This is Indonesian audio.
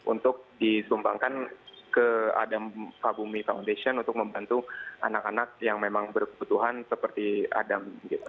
untuk disumbangkan ke adam fabumi foundation untuk membantu anak anak yang memang berkebutuhan seperti adam